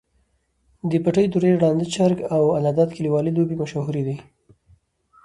د پټې دُرې، ړانده چرک، او الله داد کلیوالې لوبې مشهورې وې.